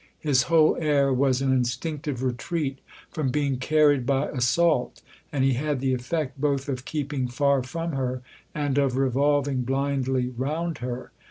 His whole air was an instinctive retreat from being carried by assault, and he had the effect both of keeping far from her and of revolving blindly round her.